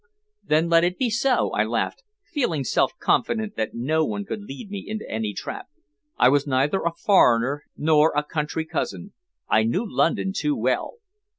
"Then let it be so," I laughed, feeling self confident that no one could lead me into any trap. I was neither a foreigner nor a country cousin. I knew London too well.